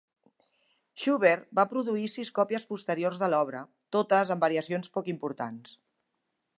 Schubert va produir sis còpies posteriors de l'obra, totes amb variacions poc importants.